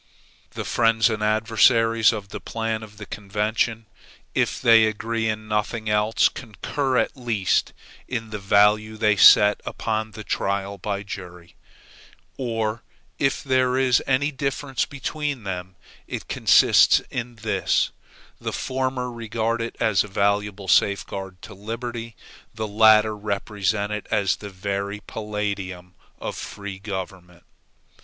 The friends and adversaries of the plan of the convention, if they agree in nothing else, concur at least in the value they set upon the trial by jury; or if there is any difference between them it consists in this: the former regard it as a valuable safeguard to liberty; the latter represent it as the very palladium of free government.